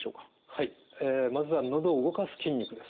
はいまずはのどを動かす筋肉です。